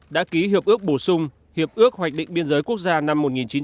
đã ký hiệp ước bổ sung hiệp ước hoạch định biên giới quốc gia năm một nghìn chín trăm tám mươi năm